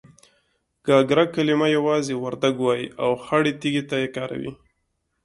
گاگره کلمه يوازې وردگ وايي او خړې تيږې ته يې کاروي.